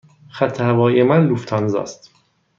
خط هوایی من لوفتانزا است.